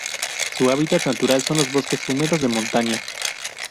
Su hábitat natural son los bosques húmedos de montaña.